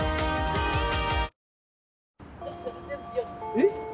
えっ？